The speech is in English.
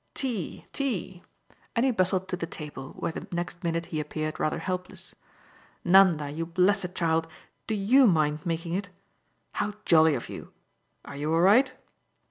Tea, tea!" and he bustled to the table, where the next minute he appeared rather helpless. "Nanda, you blessed child, do YOU mind making it? How jolly of you! are you all right?"